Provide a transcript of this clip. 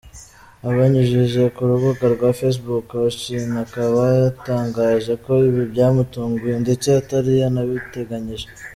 Abinyujije ku rubuga rwa Facebook, Houchin akaba yatangaje ko ibi byamutunguye ndetse atari yanabiteganyije.